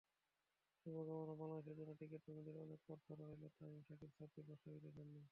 শুভকামনা বাংলাদেশের জন্য, ক্রিকেটপ্রেমীদের অনেক প্রার্থনা রইল তামিম, সাকিব, সাব্বির, মাশরাফিদের জন্য।